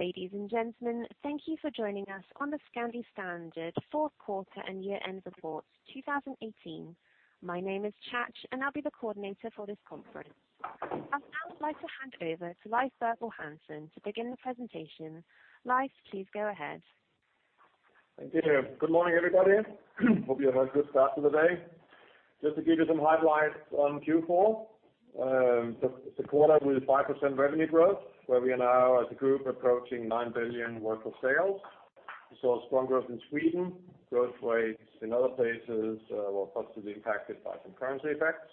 Ladies and gentlemen, thank you for joining us on the Scandi Standard fourth quarter and year-end report 2018. My name is Chach, and I'll be the coordinator for this conference. I'd now like to hand over to Leif Bergvall Hansen to begin the presentation. Leif, please go ahead. Thank you. Good morning, everybody. Hope you have had a good start to the day. Just to give you some highlights on Q4, the quarter with 5% revenue growth, where we are now as a group approaching 9 billion SEK worth of sales. We saw strong growth in Sweden. Growth rates in other places were positively impacted by some currency effects.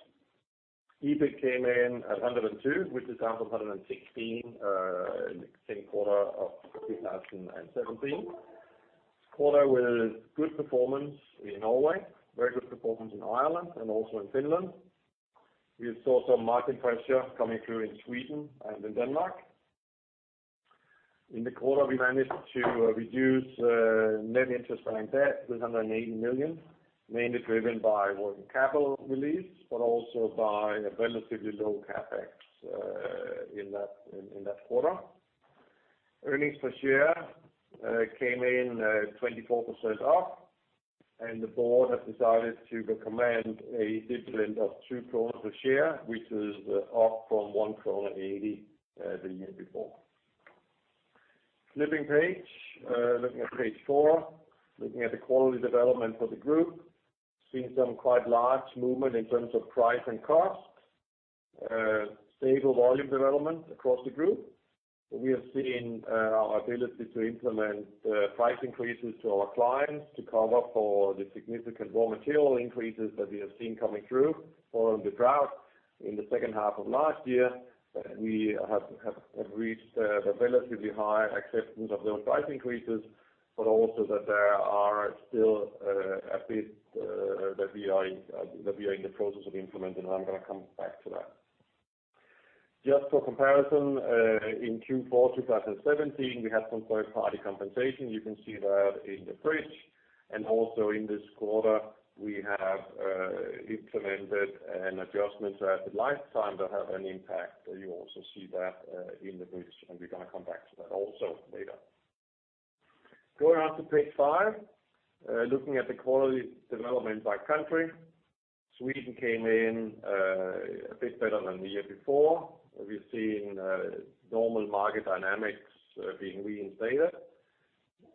EBIT came in at 102, which is down from 116 same quarter of 2017. Quarter with good performance in Norway, very good performance in Ireland and also in Finland. We saw some margin pressure coming through in Sweden and in Denmark. In the quarter, we managed to reduce net interest-bearing debt, 180 million SEK, mainly driven by working capital release, but also by a relatively low CapEx in that quarter. Earnings per share came in 24% up, and the board has decided to recommend a dividend of 2 kronor per share, which is up from 1.80 kronor the year before. Flipping page, looking at page four, looking at the quality development for the group, seeing some quite large movement in terms of price and cost. Stable volume development across the group. We have seen our ability to implement price increases to our clients to cover for the significant raw material increases that we have seen coming through following the drought in the second half of last year. We have reached a relatively high acceptance of those price increases, but also that there are still a bit that we are in the process of implementing, and I'm going to come back to that. Just for comparison, in Q4 2017, we had some third-party compensation. You can see that in the bridge. Also in this quarter, we have implemented an adjustment at lifetime that have an impact. You also see that in the bridge, and we're going to come back to that also later. Going on to page five, looking at the quality development by country. Sweden came in a bit better than the year before. We've seen normal market dynamics being reinstated.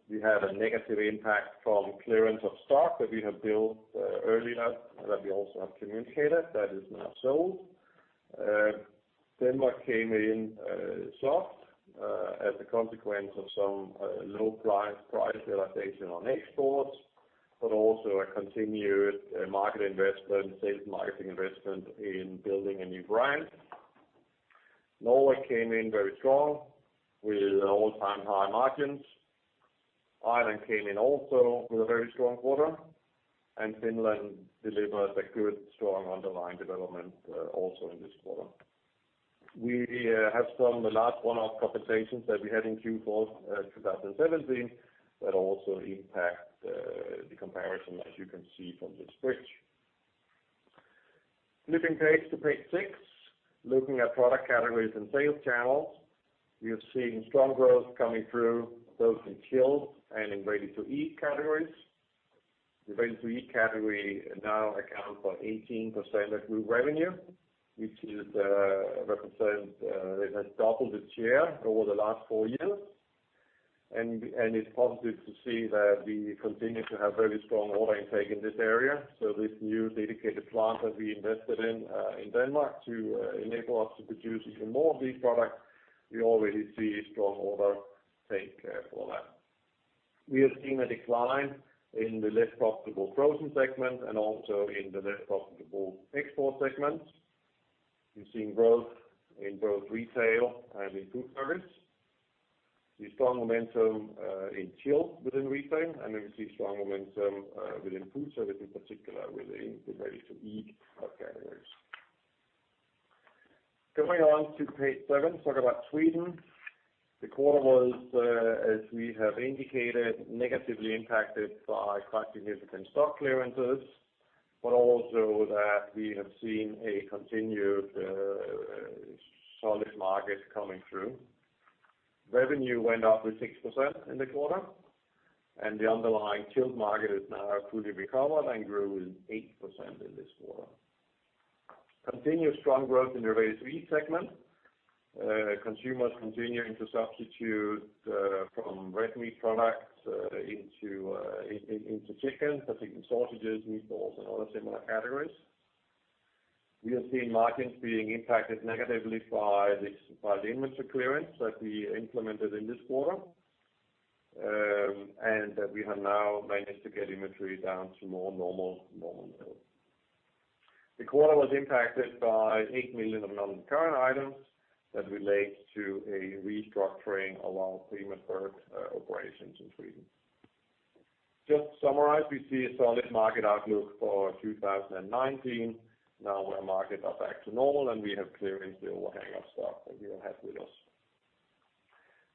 We have a negative impact from clearance of stock that we have built earlier, that we also have communicated, that is now sold. Denmark came in soft as a consequence of some low price realization on exports, but also a continued market investment, sales marketing investment in building a new brand. Norway came in very strong with all-time high margins. Ireland came in also with a very strong quarter, and Finland delivered a good, strong underlying development also in this quarter. We have some large one-off compensations that we had in Q4 2017 that also impact the comparison, as you can see from this bridge. Flipping page to page six, looking at product categories and sales channels. We have seen strong growth coming through both in chilled and in ready-to-eat categories. The ready-to-eat category now accounts for 18% of group revenue, which is represented, it has doubled its share over the last four years. It's positive to see that we continue to have very strong order intake in this area. This new dedicated plant that we invested in Denmark to enable us to produce even more of these products, we already see strong order take for that. We have seen a decline in the less profitable frozen segment and also in the less profitable export segment. We've seen growth in both retail and in food service. We see strong momentum in chilled within retail, and we see strong momentum within food service, in particular with the ready-to-eat categories. Going on to page seven, talk about Sweden. The quarter was, as we have indicated, negatively impacted by quite significant stock clearances, but also that we have seen a continued solid market coming through. Revenue went up with 6% in the quarter, and the underlying chilled market is now fully recovered and grew 8% in this quarter. Continued strong growth in the ready-to-eat segment. Consumers continuing to substitute from red meat products into chicken, particularly sausages, meatballs, and other similar categories. We have seen margins being impacted negatively by the inventory clearance that we implemented in this quarter, and that we have now managed to get inventory down to more normal levels. The quarter was impacted by 8 million of non-recurring items that relate to a restructuring of our premium bird operations in Sweden. Just to summarize, we see a solid market outlook for 2019. Our markets are back to normal, and we have cleared the overhang of stock that we have had with us.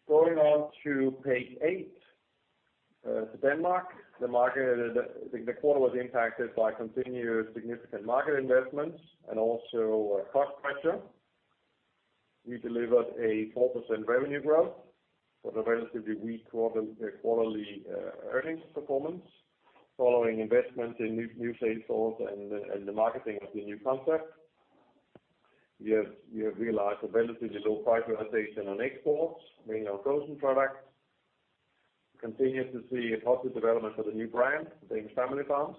Going on to page eight. To Denmark. The quarter was impacted by continued significant market investments and also cost pressure. We delivered a 4% revenue growth with a relatively weak quarterly earnings performance following investments in new sales force and the marketing of the new concept. We have realized a relatively low prioritization on exports, mainly our frozen products. We continue to see a positive development of the new brand, The Danish Family Farms,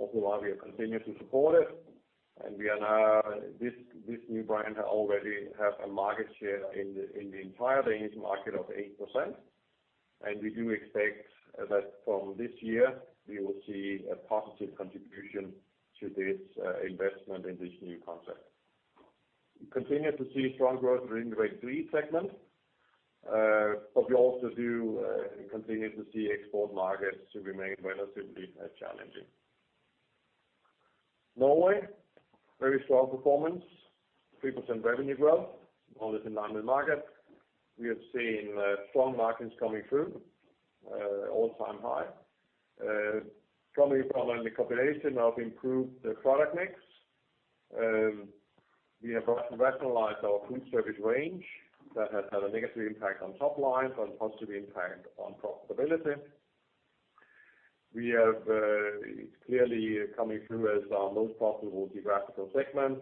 of whom we have continued to support it. This new brand already has a market share in the entire Danish market of 8%. We do expect that from this year we will see a positive contribution to this investment in this new concept. We continue to see strong growth in the ready-to-eat segment, but we also do continue to see export markets to remain relatively challenging. Norway, very strong performance, 3% revenue growth on the underlying market. We have seen strong margins coming through, all-time high, coming from a combination of improved product mix. We have rationalized our food service range. That has had a negative impact on top line, but a positive impact on profitability. It's clearly coming through as our most profitable geographical segment,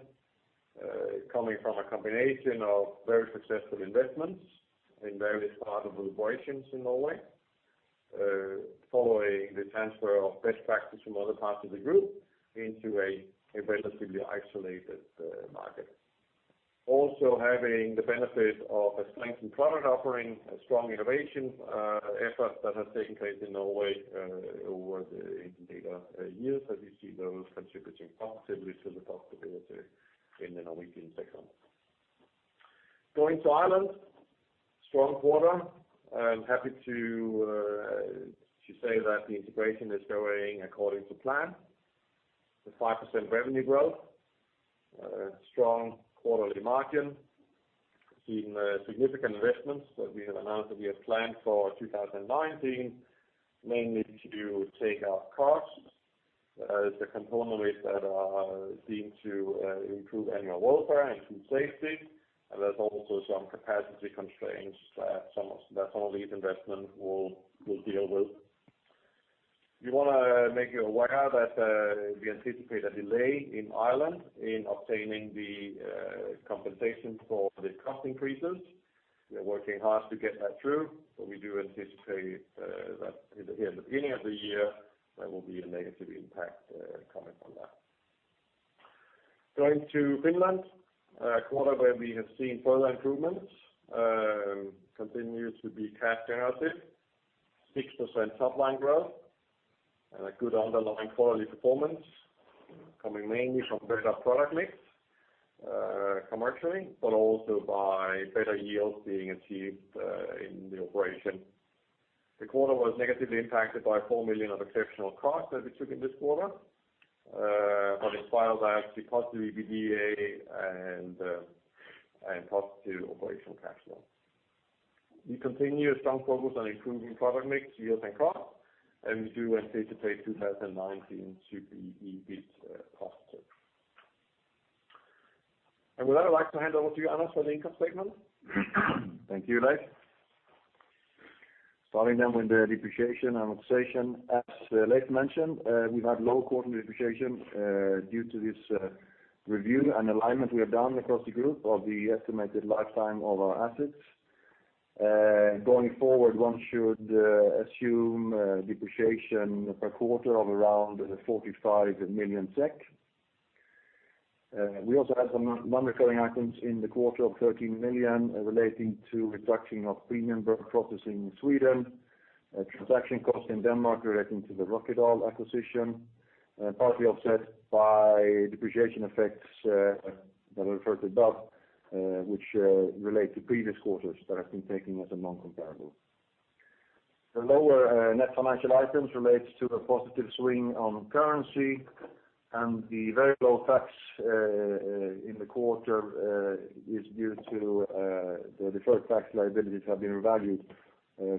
coming from a combination of very successful investments in various parts of operations in Norway, following the transfer of best practice from other parts of the group into a relatively isolated market. Having the benefit of a strengthened product offering, a strong innovation effort that has taken place in Norway over the later years as we see those contributing positively to the profitability in the Norwegian segment. Going to Ireland, strong quarter. I'm happy to say that the integration is going according to plan. 5% revenue growth, strong quarterly margin, seeing significant investments that we have announced that we have planned for 2019, mainly to take out costs as a component that are deemed to improve animal welfare, improve safety. There's also some capacity constraints that some of these investments will deal with. We want to make you aware that we anticipate a delay in Ireland in obtaining the compensation for the cost increases. We are working hard to get that through, we do anticipate that here at the beginning of the year, there will be a negative impact coming from that. Going to Finland, a quarter where we have seen further improvements, continues to be cash generative, 6% top line growth, a good underlying quarterly performance coming mainly from better product mix commercially, also by better yields being achieved in the operation. The quarter was negatively impacted by 4 million of exceptional costs that we took in this quarter, despite that, the positive EBITDA and positive operational cash flow. We continue a strong focus on improving product mix yields and costs, we do anticipate 2019 to be EBIT positive. With that, I'd like to hand over to you, Anders, for the income statement. Thank you, Leif. Starting with the depreciation amortization, as Leif mentioned, we've had low quarter depreciation due to this review and alignment we have done across the group of the estimated lifetime of our assets. Going forward, one should assume depreciation per quarter of around 45 million SEK. We also have some non-recurring items in the quarter of 13 million relating to reduction of premium bird processing in Sweden, transaction costs in Denmark relating to the Rokkedahl acquisition, partly offset by depreciation effects that I referred above, which relate to previous quarters that have been taken as a non-comparable. The lower net financial items relates to a positive swing on currency, the very low tax in the quarter is due to the deferred tax liabilities have been revalued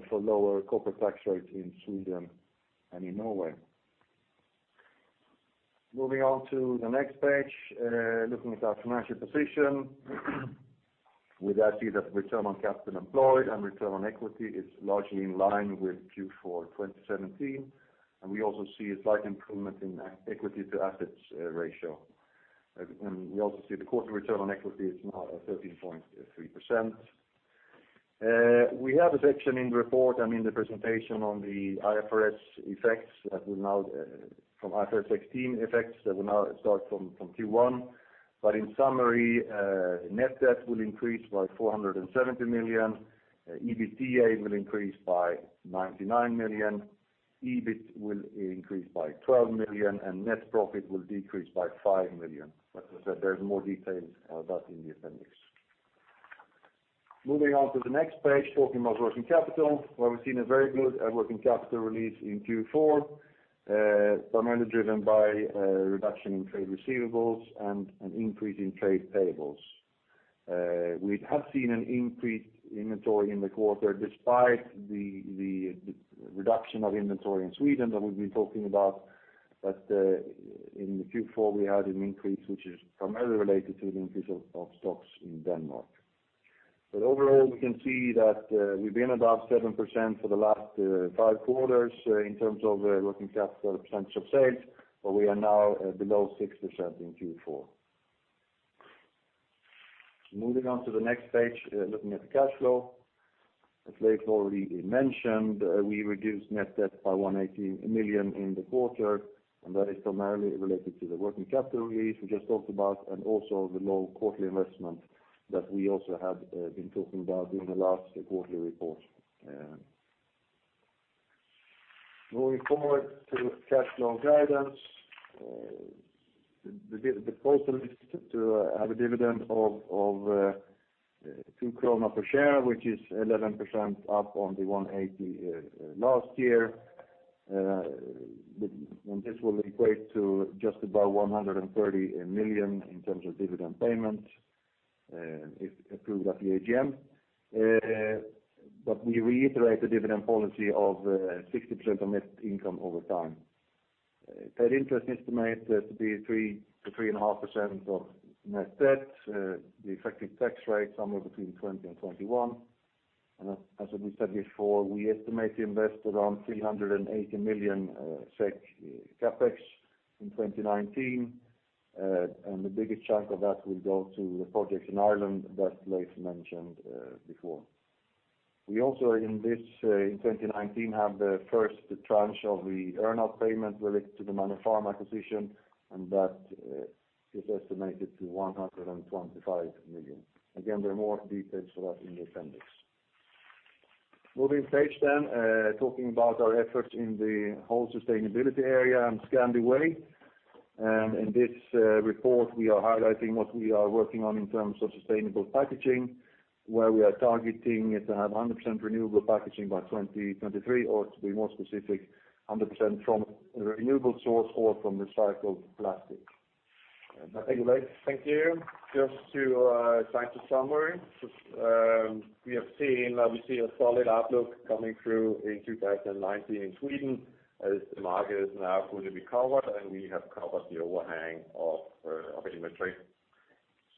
for lower corporate tax rates in Sweden and in Norway. Moving on to the next page, looking at our financial position. With that, we see that return on capital employed and return on equity is largely in line with Q4 2017, we also see a slight improvement in equity to assets ratio. We also see the quarter return on equity is now at 13.3%. We have a section in the report and in the presentation on the IFRS effects from IFRS 16 effects that will now start from Q1. In summary, net debt will increase by 470 million, EBITDA will increase by 99 million, EBIT will increase by 12 million, net profit will decrease by 5 million. As I said, there's more details about in the appendix. Moving on to the next page, talking about working capital, where we've seen a very good working capital release in Q4, primarily driven by a reduction in trade receivables and an increase in trade payables. We have seen an increase in inventory in the quarter despite the reduction of inventory in Sweden that we've been talking about. In Q4 we had an increase, which is primarily related to the increase of stocks in Denmark. Overall, we can see that we've been above 7% for the last five quarters in terms of working capital percentage of sales, but we are now below 6% in Q4. Moving on to the next page, looking at the cash flow. As Leif already mentioned, we reduced net debt by 180 million in the quarter. That is primarily related to the working capital release we just talked about and also the low quarterly investment that we also have been talking about during the last quarterly report. Moving forward to cash flow guidance. The proposal is to have a dividend of two krona per share, which is 11% up on the 1.80 last year. This will equate to just above 130 million in terms of dividend payments, if approved at the AGM. We reiterate the dividend policy of 60% of net income over time. Paid interest is estimated to be 3%-3.5% of net debt. The effective tax rate somewhere between 20%-21%. As we said before, we estimate to invest around 380 million CapEx in 2019. The biggest chunk of that will go to the projects in Ireland that Leif mentioned before. We also in 2019 have the first tranche of the earn out payment related to the Manor Farm acquisition. That is estimated to 125 million. Again, there are more details for that in the appendix. Moving page, talking about our efforts in the whole sustainability area and The Scandi Way. In this report, we are highlighting what we are working on in terms of sustainable packaging, where we are targeting it to have 100% renewable packaging by 2023, or to be more specific, 100% from a renewable source or from recycled plastic. I think Leif. Thank you. Just to try to summarize. We see a solid outlook coming through in 2019 in Sweden as the market is now fully recovered. We have covered the overhang of inventory.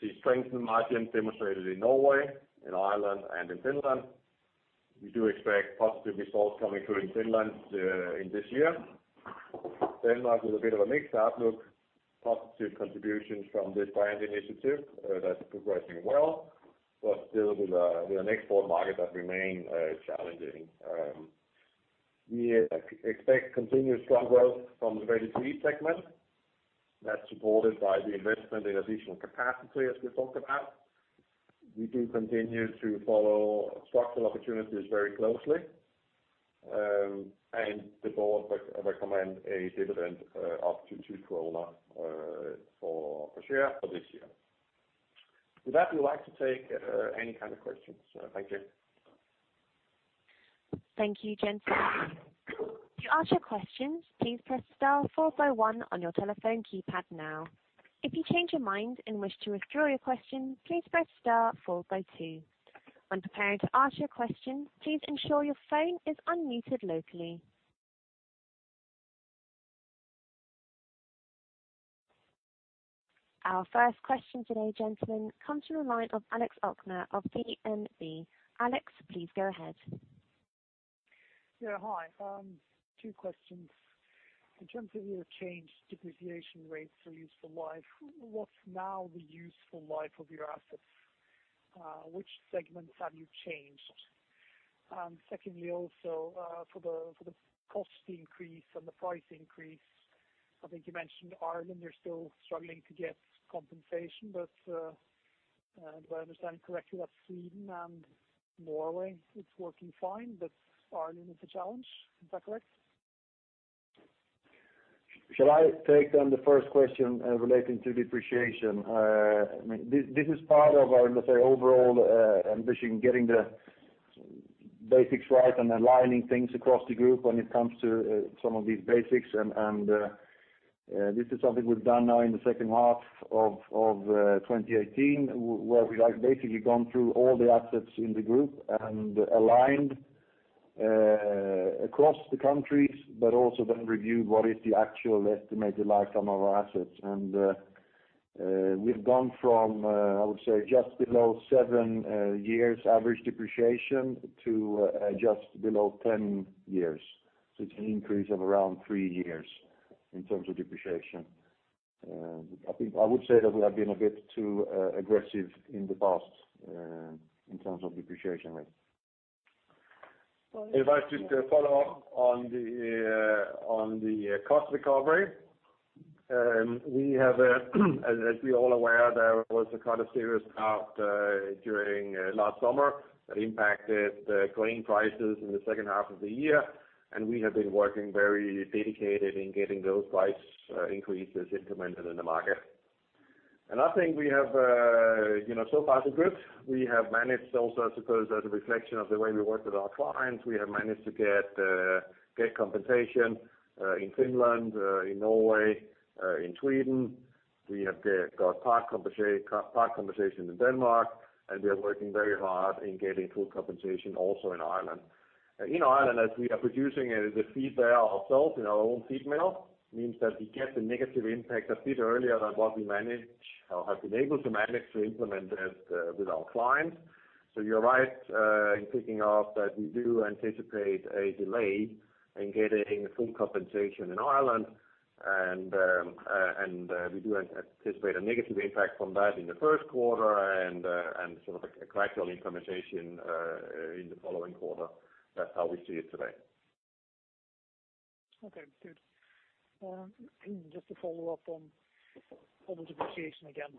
We see strengthened margins demonstrated in Norway, in Ireland, and in Finland. We do expect positive results coming through in Finland in this year. Denmark is a bit of a mixed outlook. Positive contributions from this brand initiative, that's progressing well. Still with an export market that remain challenging. We expect continuous strong growth from the Ready-to-eat segment. That's supported by the investment in additional capacity, as we talked about. We do continue to follow structural opportunities very closely. The board recommend a dividend up to two krona per share for this year. With that, we'd like to take any kind of questions. Thank you. Thank you, gentlemen. To ask your questions, please press star 451 on your telephone keypad now. If you change your mind and wish to withdraw your question, please press star 452. When preparing to ask your question, please ensure your phone is unmuted locally. Our first question today, gentlemen, comes from the line of Axel Nycander of DNB. Axel, please go ahead. Yeah, hi. Two questions. In terms of your changed depreciation rates for useful life, what's now the useful life of your assets? Which segments have you changed? Secondly, also for the cost increase and the price increase, I think you mentioned Ireland, you're still struggling to get compensation, but do I understand correctly that Sweden and Norway, it's working fine, but Ireland is a challenge? Is that correct? Shall I take the first question relating to depreciation? This is part of our, let's say, overall ambition, getting the basics right and aligning things across the group when it comes to some of these basics. This is something we've done now in the second half of 2018, where we have basically gone through all the assets in the group and aligned across the countries, but also then reviewed what is the actual estimated lifetime of our assets. We've gone from, I would say, just below seven years average depreciation to just below 10 years. It's an increase of around three years in terms of depreciation. I would say that we have been a bit too aggressive in the past in terms of depreciation rate. If I just follow on the cost recovery. As we're all aware, there was a kind of serious drought during last summer that impacted grain prices in the second half of the year, and we have been working very dedicated in getting those price increases implemented in the market. I think we have so far the grip We have managed also, I suppose, as a reflection of the way we work with our clients, we have managed to get compensation in Finland, in Norway, in Sweden. We have got part compensation in Denmark, and we are working very hard in getting full compensation also in Ireland. In Ireland, as we are producing the feed there ourselves in our own feed mill, means that we get the negative impact a bit earlier than what we manage or have been able to manage to implement that with our clients. You're right in picking up that we do anticipate a delay in getting full compensation in Ireland, and we do anticipate a negative impact from that in the first quarter and sort of a gradual implementation in the following quarter. That's how we see it today. Okay, good. Just to follow up on total depreciation again.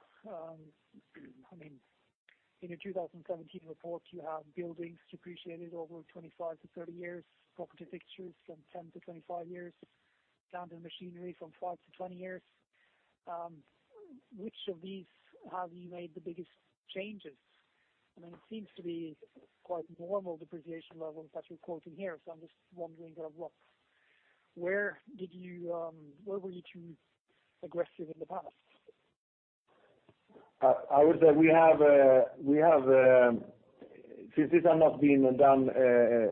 In your 2017 report, you have buildings depreciated over 25-30 years, property fixtures from 10-25 years, plant and machinery from 5-20 years. Which of these have you made the biggest changes? It seems to be quite normal depreciation levels that you're quoting here. I'm just wondering where were you too aggressive in the past? I would say since these are not being done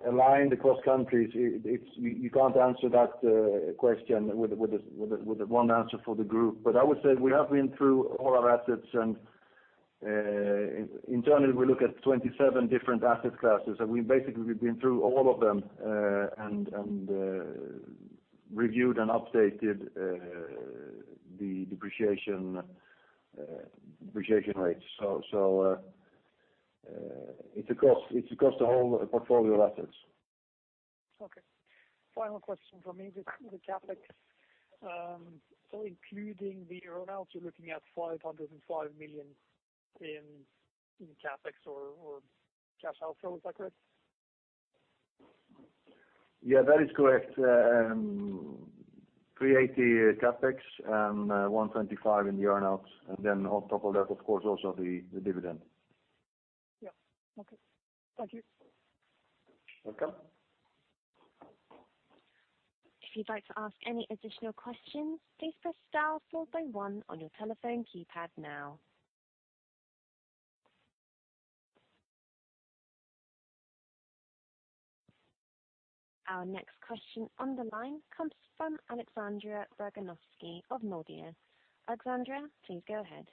aligned across countries, you can't answer that question with the one answer for the group. I would say we have been through all our assets, and internally we look at 27 different asset classes, and we basically have been through all of them and reviewed and updated the depreciation rates. It's across the whole portfolio of assets. Okay. Final question from me, just on the CapEx. Including the earn-outs, you're looking at 505 million in CapEx or cash outflow; is that correct? Yeah, that is correct. 380 CapEx, 125 in earn-outs, on top of that, of course, also the dividend. Yeah. Okay. Thank you. Welcome. If you'd like to ask any additional questions, please press star followed by 1 on your telephone keypad now. Our next question on the line comes from Aleksandra Brzozowska of Nordea. Aleksandra, please go ahead.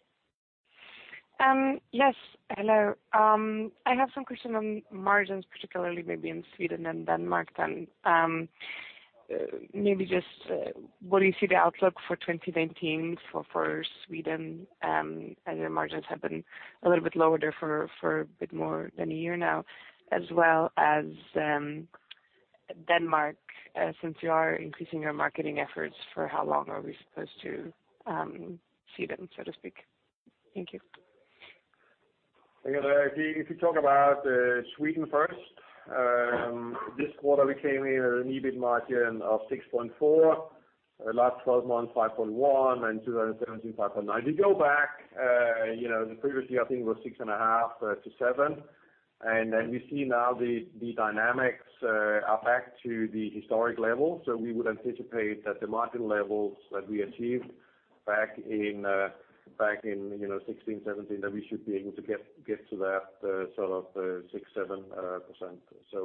Yes, hello. I have some questions on margins, particularly maybe in Sweden and Denmark then. Maybe just what do you see the outlook for 2019 for Sweden? As your margins have been a little bit lower there for a bit more than a year now, as well as Denmark, since you are increasing your marketing efforts, for how long are we supposed to see them, so to speak? Thank you. Aleksandra, if you talk about Sweden first, this quarter, we came in with an EBIT margin of 6.4%, last 12 months, 5.1%, and 2017, 5.9%. If you go back, the previous year, I think, was 6.5%-7%. We see now the dynamics are back to the historic level. We would anticipate that the margin levels that we achieved back in 2016, 2017, that we should be able to get to that sort of 6%-7%.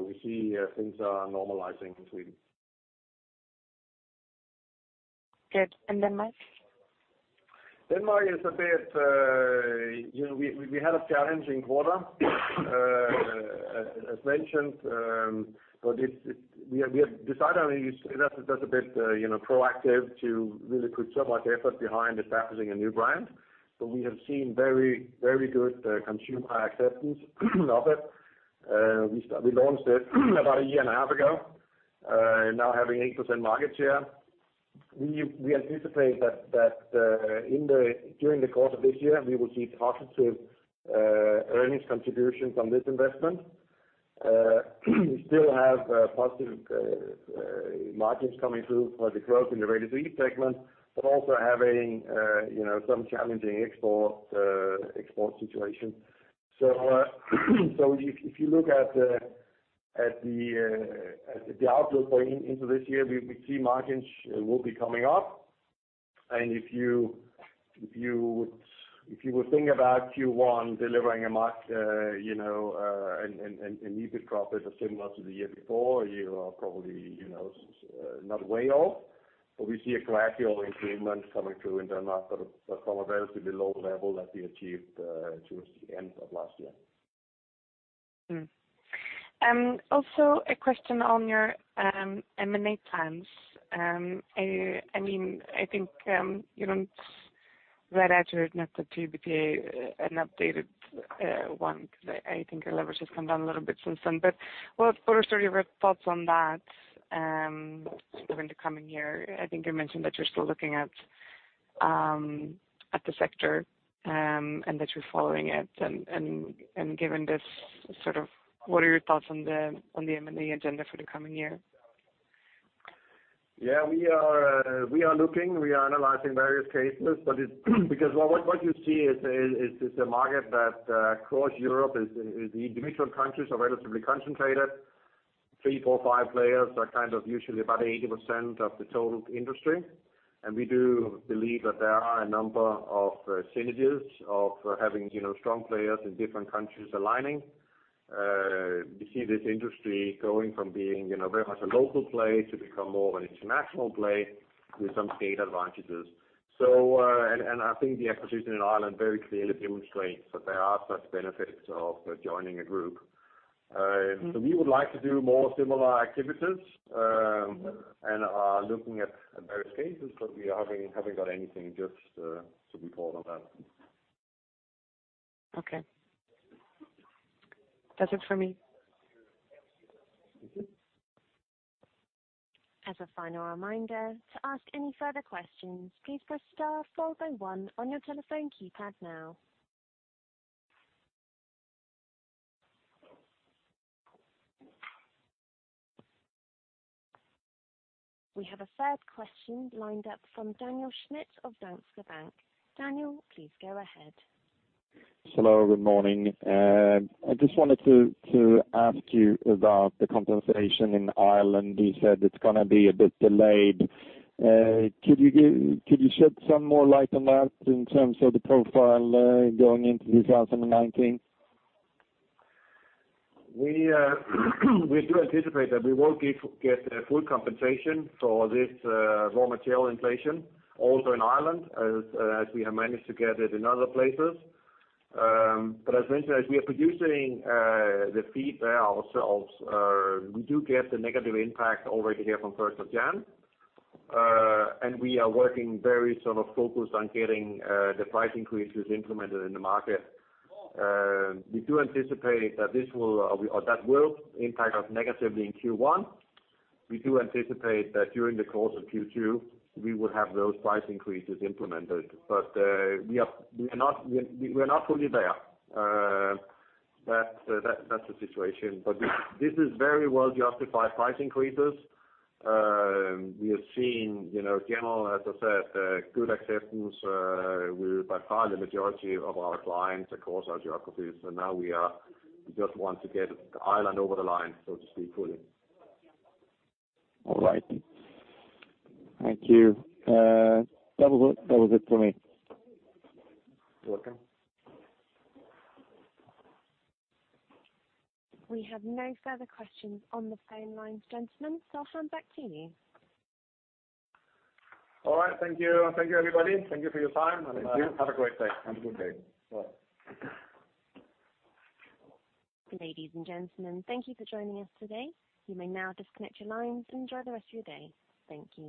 We see things are normalizing in Sweden. Good. Denmark? Denmark, we had a challenging quarter, as mentioned. We have decided, I mean, you say that's a bit proactive to really put so much effort behind establishing a new brand. We have seen very good consumer acceptance of it. We launched it about a year and a half ago, now having 8% market share. We anticipate that during the course of this year, we will see positive earnings contributions on this investment. We still have positive margins coming through for the growth in the Ready-to-eat segment, but also having some challenging export situation. If you look at the outlook going into this year, we see margins will be coming up. If you would think about Q1 delivering an EBIT profit as similar to the year before, you are probably not way off. We see a gradual improvement coming through in Denmark from a relatively low level that we achieved towards the end of last year. Also a question on your M&A plans. I think you don't read out your net to EBITDA, an updated one, because I think your leverage has come down a little bit since then. What are sort of your thoughts on that going into coming year? I think you mentioned that you're still looking at the sector and that you're following it. Given this sort of, what are your thoughts on the M&A agenda for the coming year? Yeah, we are looking. We are analyzing various cases, what you see is a market that across Europe is the individual countries are relatively concentrated. Three, four, five players are kind of usually about 80% of the total industry. We do believe that there are a number of synergies of having strong players in different countries aligning. We see this industry going from being very much a local play to become more of an international play with some scale advantages. I think the acquisition in Ireland very clearly demonstrates that there are such benefits of joining a group. We would like to do more similar activities, and are looking at various cases, but we haven't got anything just to report on that. Okay. That's it for me. As a final reminder, to ask any further questions, please press star 401 on your telephone keypad now. We have a third question lined up from Daniel Schmidt of Danske Bank. Daniel, please go ahead. Hello, good morning. I just wanted to ask you about the compensation in Ireland. You said it's going to be a bit delayed. Could you shed some more light on that in terms of the profile going into 2019? We do anticipate that we will get full compensation for this raw material inflation, also in Ireland, as we have managed to get it in other places. As mentioned, as we are producing the feed there ourselves, we do get the negative impact already here from 1st of January. We are working very sort of focused on getting the price increases implemented in the market. We do anticipate that will impact us negatively in Q1. We do anticipate that during the course of Q2, we will have those price increases implemented. We're not fully there. That's the situation. This is very well justified price increases. We have seen, general, as I said, good acceptance with, by far, the majority of our clients across our geographies. Now we just want to get Ireland over the line, so to speak, fully. All right. Thank you. That was it for me. You're welcome. We have no further questions on the phone lines, gentlemen, so I'll hand back to you. All right. Thank you. Thank you, everybody. Thank you for your time. Thank you Have a great day. Have a good day. Bye. Ladies and gentlemen, thank you for joining us today. You may now disconnect your lines and enjoy the rest of your day. Thank you.